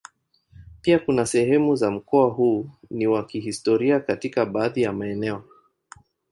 Pia kuna sehemu za mkoa huu ni wa kihistoria katika baadhi ya maeneo.